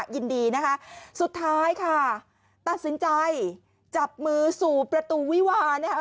ยินดีนะคะสุดท้ายค่ะตัดสินใจจับมือสู่ประตูวิวานะคะ